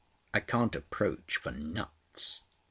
I can't approach for nuts!